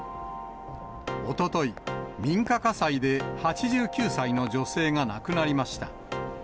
おととい、民家火災で８９歳の女性が亡くなりました。